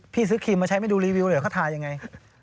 ซื้อครีมมาใช้ไม่ดูรีวิวหน่อยเขาทายังไง